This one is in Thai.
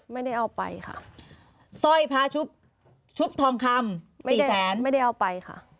ไม่ได้เอาไปค่ะสร้อยพระชุบชุบทองคำสี่แสนไม่ได้เอาไปค่ะ